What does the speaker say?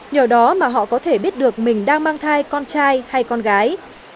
nhờ đó mà họ có thể biết được mình đang mang thai con trai hay con gái